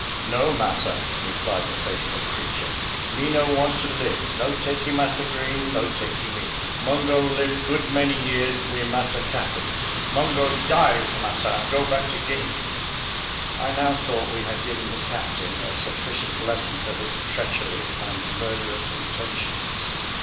"No, massa," replied the faithful creature; "me no want to lib: no takee Massa Green, no takee me! Mungo lib good many years wi massa cappen. Mungo die wi massa, and go back to Guinea!" I now thought we had given the captain a sufficient lesson for his treachery and murderous intentions.